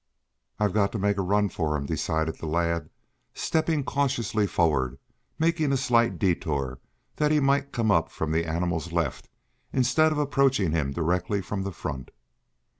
"I've got to make a run for him," decided the lad, stepping cautiously forward, making a slight detour that he might come up from the animal's left instead of approaching him directly from the front.